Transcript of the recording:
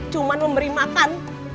cuman memberi makan